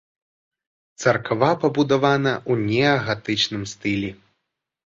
Царква пабудавана ў неагатычным стылі.